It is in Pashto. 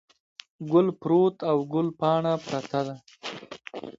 ګل پروت او ګل پاڼه پرته ده.